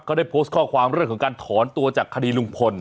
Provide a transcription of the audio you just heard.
เขาได้โพสต์ข้อความเรื่องของการถอนตัวจากคดีลุงพล